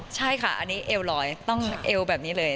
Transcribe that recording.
ใช่ค่ะอันนี้เอวลอยต้องเอวแบบนี้เลย